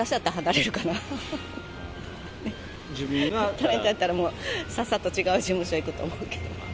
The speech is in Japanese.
タレントだったら、さっさと違う事務所に行くと思うけど。